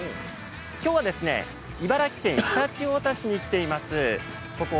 今日は茨城県常陸太田市に来ています。